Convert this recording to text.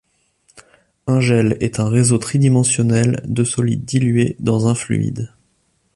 Un gel est un réseau tri-dimensionnel de solides dilué dans un fluide.